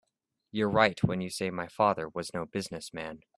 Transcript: You're right when you say my father was no business man.